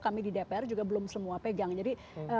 kami di dpr juga belum semua pegang jadi